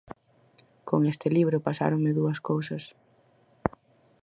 Con este libro pasáronme dúas cousas.